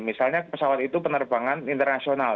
misalnya pesawat itu penerbangan internasional